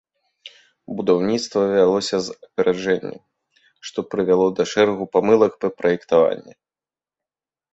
Будаўніцтва вялося з апярэджаннем, што прывяло да шэрагу памылак пры праектаванні.